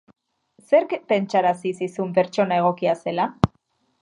Zerk pentsarazi zizun pertsona egokia zela?